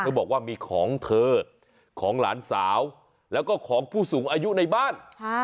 บอกว่ามีของเธอของหลานสาวแล้วก็ของผู้สูงอายุในบ้าน